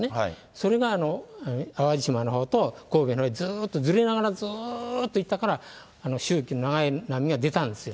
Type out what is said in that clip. それが淡路島のほうと神戸のほうへ、ずーっとずれながらずーっといったから、周期の長い波が出たんですよ。